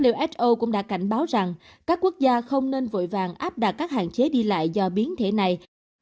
who cũng đã cảnh báo rằng các quốc gia không nên vội vàng áp đặt các hạn chế đi lại do biến thể này